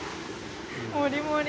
もりもり。